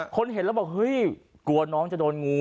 เห็นแล้วบอกเฮ้ยกลัวน้องจะโดนงู